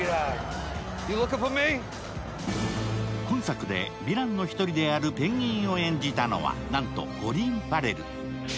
今作でヴィランの１人であるペンギンを演じたのは、なんとコリン・ファレル。